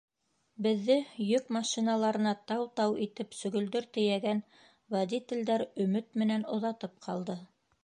Беҙҙе йөк машиналарына тау-тау итеп сөгөлдөр тейәгән водителдәр өмөт менән оҙатып ҡалды.